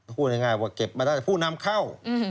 พูดง่ายว่าเก็บมาได้แต่ผู้นำเข้า